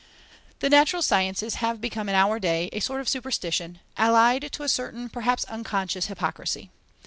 The Natural Sciences have become in our day a sort of superstition, allied to a certain, perhaps unconscious, hypocrisy.